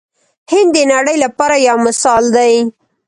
هند د نړۍ لپاره یو مثال دی.